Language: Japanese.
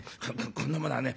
ここんなものはね